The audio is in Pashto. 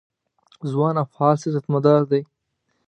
ځوان او فعال سیاستمدار دی.